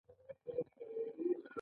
د دې موضوع په پوهېدو کې یوه لاره شته.